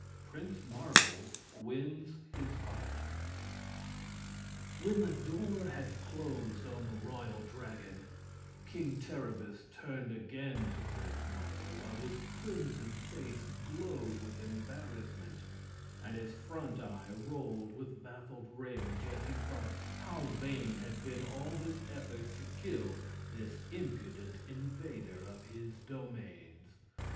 Prince Marvel Wins His Fight When the door had closed on the Royal Dragon, King Terribus turned again to Prince Marvel, while his crimson face glowed with embarrassment, and his front eye rolled with baffled rage as he thought how vain had been all his efforts to kill this impudent invader of his domains.